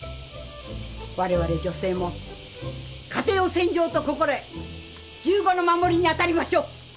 我々女性も家庭を戦場と心得銃後の守りにあたりましょう！